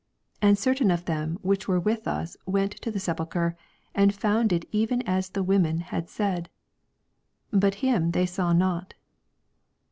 24 And certain of them which were with na went to the sepalcbre, and found it even bo as the women had said : bat him they saw not.